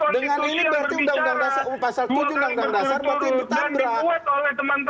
dengan ini berarti undang undang pasal tujuh undang undang dasar berarti ditabrak